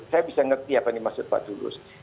saya bisa ngerti apa yang dimaksud pak tulus